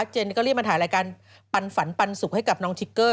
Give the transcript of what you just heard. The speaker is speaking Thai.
เจนนี่ก็รีบมาถ่ายรายการปันฝันปันสุขให้กับน้องทิกเกอร์